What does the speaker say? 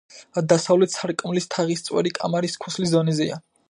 დასავლეთ სარკმლის თაღის წვერი კამარის ქუსლის დონეზეა.